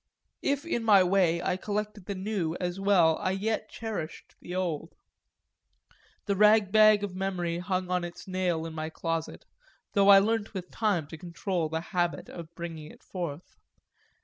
If in my way I collected the new as well I yet cherished the old; the ragbag of memory hung on its nail in my closet, though I learnt with time to control the habit of bringing it forth.